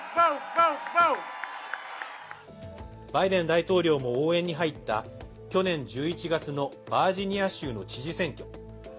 バイデン大統領も応援に入った去年１１月のバージニア州の知事選挙。